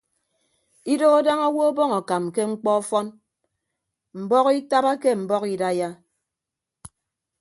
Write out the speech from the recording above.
Idooho daña owo ọbọñ akam ke mkpọ ọfọn mbọhọ itabake mbọhọ idaiya.